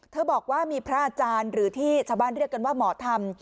บอกว่ามีพระอาจารย์หรือที่ชาวบ้านเรียกกันว่าหมอธรรม